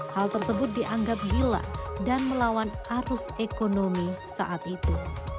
hal tersebut dianggap gila dan melawan arus ekonomi saat itu